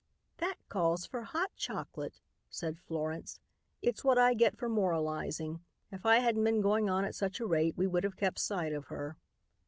"That calls for hot chocolate," said Florence. "It's what I get for moralizing. If I hadn't been going on at such a rate we would have kept sight of her."